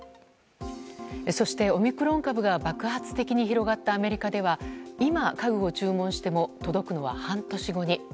そして、オミクロン株が爆発的に広がったアメリカでは今、家具を注文しても届くのは半年後に。